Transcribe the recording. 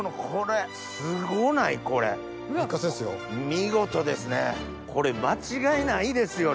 見事ですねこれ間違いないですよね。